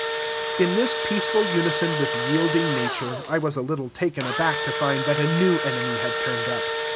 In this peaceful unison with yielding nature, I was a little taken aback to find that a new enemy had turned up.